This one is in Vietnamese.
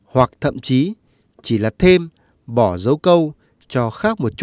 hoặc thậm chí chỉ là thêm bỏ dấu câu cho khác một chút